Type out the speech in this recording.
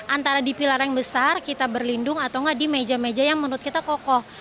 antara di pilar yang besar kita berlindung atau nggak di meja meja yang menurut kita kokoh